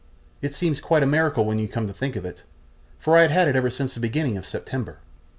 It seems quite a miracle when you come to think of it, for I had it ever since the beginning of September.